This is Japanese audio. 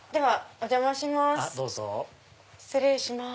お邪魔します。